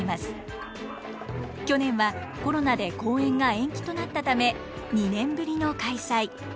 去年はコロナで公演が延期となったため２年ぶりの開催。